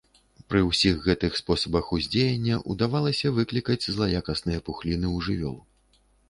Пры ўсіх гэтых спосабах ўздзеяння ўдавалася выклікаць злаякасныя пухліны ў жывёл.